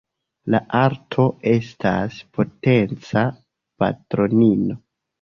La Arto estas potenca patronino.